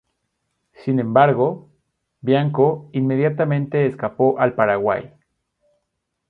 Sin embargo, Bianco inmediatamente escapó al Paraguay.